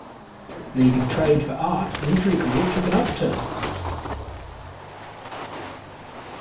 Leaving trade for art, her literary career took an upturn.